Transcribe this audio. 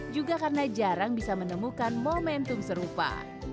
juga karena jarang bisa menemukan momentum serupa